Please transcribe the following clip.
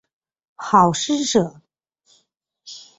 好施舍。